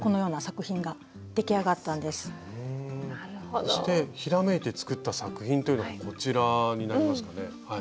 そしてひらめいて作った作品というのがこちらになりますかね。